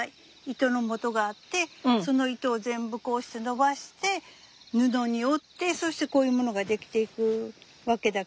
糸のもとがあってその糸を全部こうして伸ばして布に織ってそしてこういうものが出来ていくわけだけど。